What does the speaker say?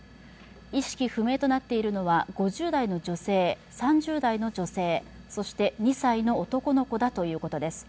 意識不明となっているのは５０代の女性、３０代の女性、そして２歳の男の子だということです。